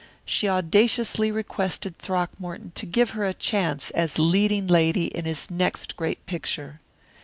She audaciously requested Throckmorton to give her a chance as leading lady in his next great picture.